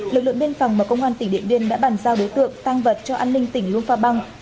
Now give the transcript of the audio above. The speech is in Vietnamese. lực lượng biên phòng và công an tỉnh điện biên đã bàn giao đối tượng tăng vật cho an ninh tỉnh luông pha băng